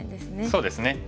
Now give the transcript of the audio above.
そうですね。